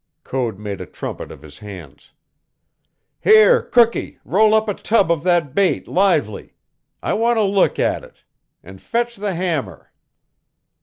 Code made a trumpet of his hands. "Here, cookee, roll up a tub of that bait lively. I want to look at it. And fetch the hammer!"